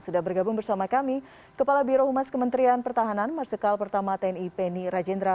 sudah bergabung bersama kami kepala birohumas kementerian pertahanan marsikal pertama tni penny rajendra